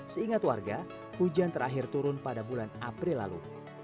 seingat warga hujan terakhir turun pada bulan april lalu